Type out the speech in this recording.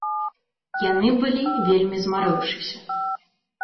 Яны былі вельмі змарыўшыся.